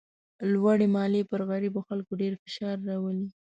لوړې مالیې پر غریبو خلکو ډېر فشار راولي.